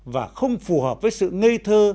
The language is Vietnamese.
và không phù hợp với sự ngây thơ